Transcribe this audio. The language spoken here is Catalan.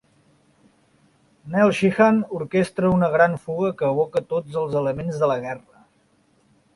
Neil Sheehan orquestra una gran fuga que evoca tots els elements de la guerra.